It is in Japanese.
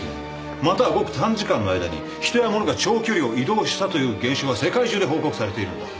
またはごく短時間の間に人やものが長距離を移動したという現象は世界中で報告されているんだ。